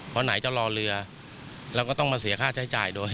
เพราะไหนจะรอเรือเราก็ต้องมาเสียค่าใช้จ่ายโดย